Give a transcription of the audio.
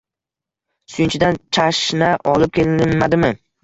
Suyunchidan chashna olib kelinmadimi